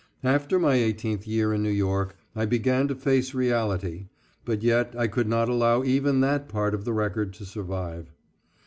After my eighteenth year in New York, I began to face reality, but yet I could not allow even that part of the record to survive.